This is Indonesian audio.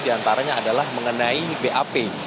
diantaranya adalah mengenai bap